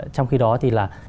trong khi đó thì là